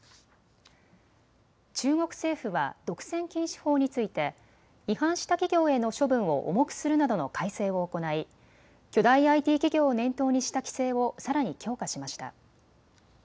中国政府は独占禁止法について違反した企業への処分を重くするなどの改正を行い巨大ＩＴ企業を念頭にした規制をさらに強化しました。